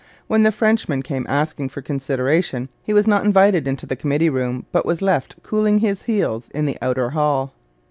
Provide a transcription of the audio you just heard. When the Frenchman came asking for consideration, he was not invited into the committee room, but was left cooling his heels in the outer hall.